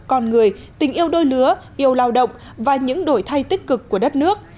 con người tình yêu đôi lứa yêu lao động và những đổi thay tích cực của đất nước